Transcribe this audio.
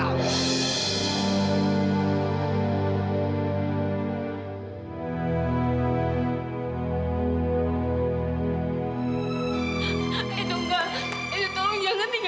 gue mau lo balik